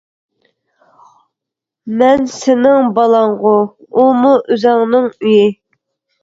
مەن سېنىڭ بالاڭغۇ، ئۇمۇ ئۆزۈڭنىڭ ئۆيى.